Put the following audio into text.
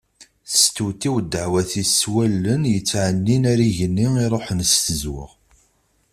Testewtiw ddaɛwat-is s wallen yettɛennin ɣer yigenni iruḥen s tezweɣ.